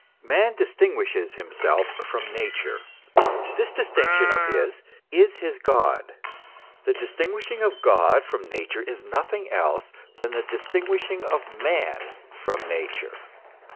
* Man distinguishes himself from Nature. This distinction of his is his God : the distinguishing of God from Nature is nothing else than the distinguishing of man from Nature.